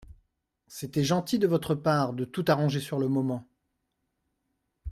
C’était gentil de votre part de tout arranger sur le moment.